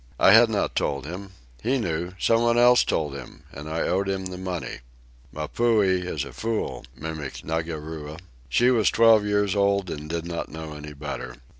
I had not told him. He knew. Somebody else told him. And I owed him the money." "Mapuhi is a fool," mimicked Ngakura. She was twelve years old and did not know any better.